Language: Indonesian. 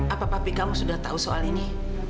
apalagi kamu sudah tahu soal ini